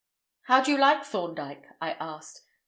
"How do you like Thorndyke?" I asked.